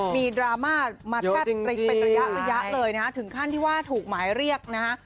ดราม่ามาแทบเป็นระยะเลยนะฮะถึงขั้นที่ว่าถูกหมายเรียกนะฮะ